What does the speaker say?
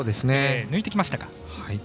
抜いてきましたか。